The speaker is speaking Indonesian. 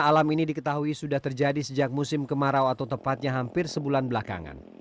alam ini diketahui sudah terjadi sejak musim kemarau atau tepatnya hampir sebulan belakangan